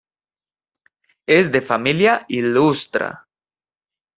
És de família il·lustre.